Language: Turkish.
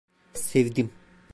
Sevdim.